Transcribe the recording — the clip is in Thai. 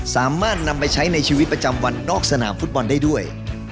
สามารถนำไปใช้ในชีวิตประจำวันนอกสนามฟุตบอลได้ด้วย